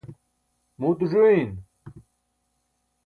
muuto ẓuyin